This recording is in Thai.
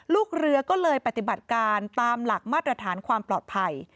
ลูกเรือก็เลยปฏิบัติการตามหลักมาตรฐานความปลอดภัย